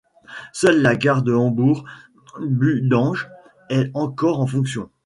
Seule la gare de Hombourg-Budange est encore en fonction.